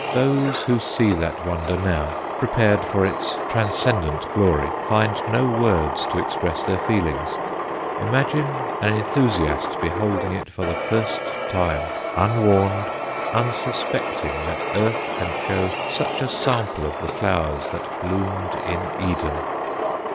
Those who see that wonder now, prepared for its transcendent glory, find no words to express their feeling: imagine an enthusiast beholding it for the first time, unwarned, unsuspecting that earth can show such a sample of the flowers that bloomed in Eden!